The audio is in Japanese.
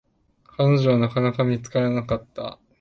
彼女は、なかなか見つからなかった。